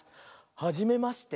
「はじめまして」。